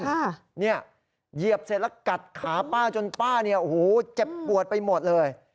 เหยียบเสร็จแล้วกัดขาป้าจนป้าเจ็บปวดไปหมดเลย